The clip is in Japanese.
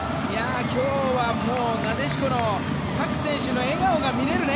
今日はもうなでしこの各選手の笑顔が見れるね。